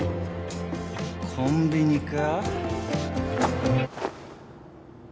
コンビニか？